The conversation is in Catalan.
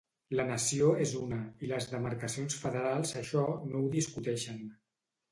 La nació és una i les demarcacions federals això no ho discuteixen.